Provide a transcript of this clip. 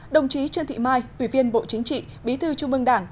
đồng chí trương thị mai ủy viên bộ chính trị bí thư trung mương đảng